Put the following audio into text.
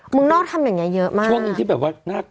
มึงนอกทำอย่างนี้เยอะมาก